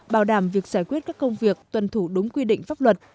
bảo đảm việc giải quyết các công việc tuân thủ đúng quy định pháp luật